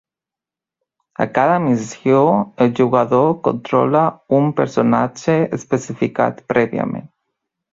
A cada missió, el jugador controla un personatge especificat prèviament.